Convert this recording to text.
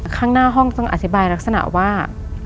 ข้างหน้าห้องต้องอธิบายลักษณะว่า